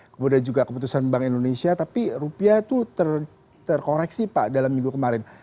kemudian juga keputusan bank indonesia tapi rupiah itu terkoreksi pak dalam minggu kemarin